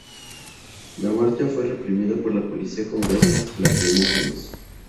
La marcha fue reprimida por la polícia con gases lacrimógenos.